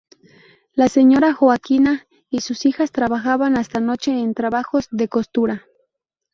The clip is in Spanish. La señora Joaquina y sus hijas, trabajaban hasta noche en trabajos de costura.